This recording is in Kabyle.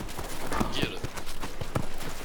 Mgirred.